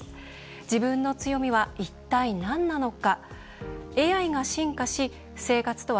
自分の強みは一体、何なのか。